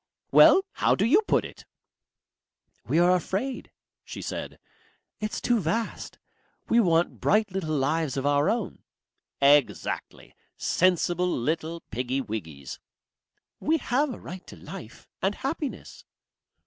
"Well! How do you put it?" "We are afraid," she said. "It's too vast. We want bright little lives of our own." "Exactly sensible little piggy wiggys." "We have a right to life and happiness.